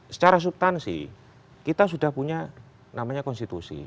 secara subtansi kita sudah punya namanya konstitusi